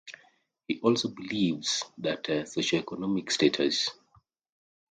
He also believes that socioeconomic status.